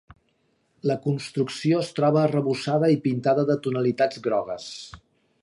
La construcció es troba arrebossada i pintada de tonalitats grogues.